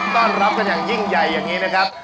ต้อนรับกันอย่างยิ่งใหญ่อย่างนี้นะครับ